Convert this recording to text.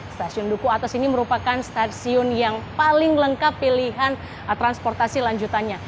stasiun duku atas ini merupakan stasiun yang paling lengkap pilihan transportasi lanjutannya